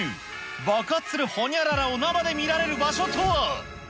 爆発するほにゃららを生で見られる場所とは。